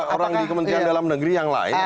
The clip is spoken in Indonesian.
orang di kementerian dalam negeri yang lain